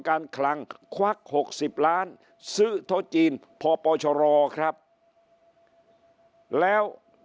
การคลังควักหกสี่ล้านซื่่โตจีนพอปชรรครับแล้ว